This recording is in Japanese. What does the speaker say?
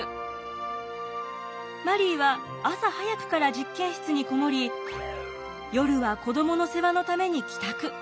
マリーは朝早くから実験室に籠もり夜は子供の世話のために帰宅。